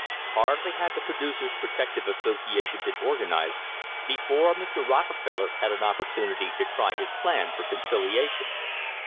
Hardly had the Producers' Protective Association been organised before Mr. Rockefeller had an opportunity to try his plan for conciliation.